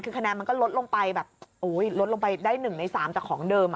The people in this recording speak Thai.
คือคะแนนมันก็ลดลงไปแบบลดลงไปได้๑ใน๓จากของเดิม